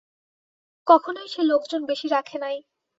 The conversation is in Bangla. কখনোই সে লোকজন বেশি রাখে নাই।